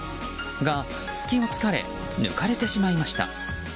が、隙を突かれ抜かれてしまいました。